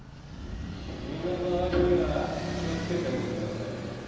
身の回りには気を付けておくんなさいよ。